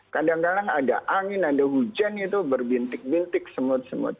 kadang kadang ada angin ada hujan itu berbintik bintik semut semut